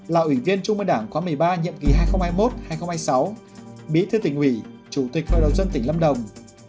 là ủy viên trung mơ đảng khoảng một mươi ba nhiệm kỳ hai nghìn hai mươi một hai nghìn hai mươi sáu bí thư tỉnh hủy chủ tịch phó đầu dân tỉnh lâm đồng